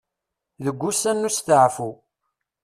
Deg wussan n usetaɛfu.